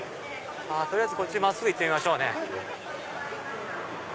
取りあえずこっち真っすぐ行ってみましょうね。